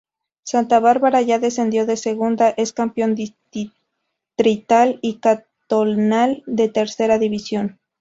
Santa Bárbara ya descendido de segunda es campeón distrital y cantonal de tercera división.